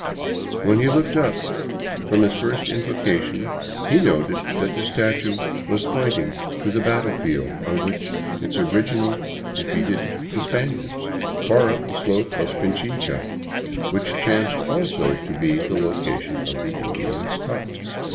When he looked up from his first invocation he noted that the statue was pointing to the battlefield on which its original defeated the Spaniards, far up the slope of Pichincha, which chanced also to be the location of the Indian's hut.